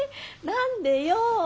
何でよ。